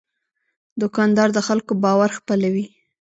دوکاندار د خلکو باور خپلوي.